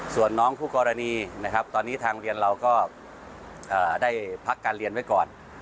ส่วนน้องคู่กรณีนะครับตอนนี้ทางเรียนเราก็ได้พักการเรียนไว้ก่อน